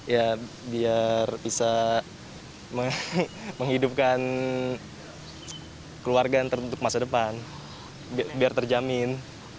ya biar bisa menghidupkan keluarga yang terbentuk masa depan biar terjamin